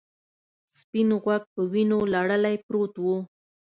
سپین غوږ په وینو لړلی پروت و.